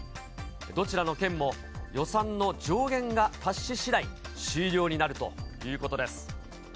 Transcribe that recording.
どちらの県も、予算の上限が達ししだい、終了になるということです。